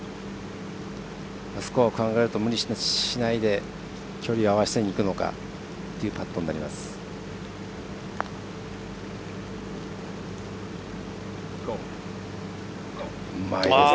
スコアを考えると無理しないで距離を合わせにいくのかというパットになります。